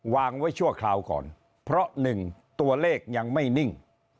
วางไว้ชั่วคราวก่อนเพราะหนึ่งตัวเลขยังไม่นิ่ง